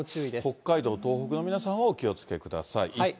北海道、東北の皆さんはお気をつけください。